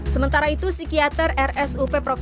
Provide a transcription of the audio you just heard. sementara itu psikiater rsup prof